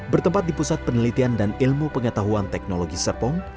bertempat di pusat penelitian dan ilmu pengetahuan teknologi serpong